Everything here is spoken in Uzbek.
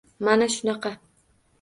Mana shunaqa.